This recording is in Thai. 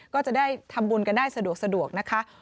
ก็จะได้ทำบุญกันได้สะดวกนะคะ